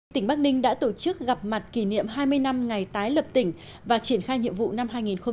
tỉnh bắc ninh đã tổ chức gặp mặt kỷ niệm hai mươi năm ngày tái lập tỉnh và triển khai nhiệm vụ năm hai nghìn hai mươi